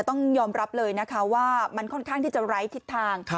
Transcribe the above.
ต้องยอมรับเลยนะคะว่ามันค่อนข้างที่จะไร้ทิศทาง